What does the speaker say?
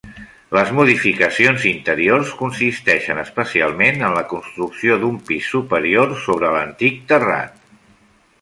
Les modificacions interiors consisteixen especialment en la construcció d'un pis superior, sobre l'antic terrat.